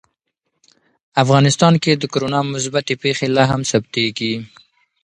افغانستان کې د کورونا مثبتې پېښې لا هم ثبتېږي.